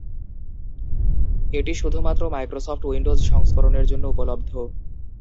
এটি শুধুমাত্র Microsoft Windows সংস্করণের জন্য উপলব্ধ।